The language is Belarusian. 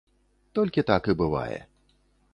Толькі так і бывае.